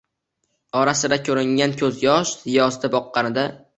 ora-sira ko'ringan ko'z yosh ziyosida boqqanida